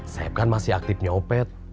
saib kan masih aktif nyopet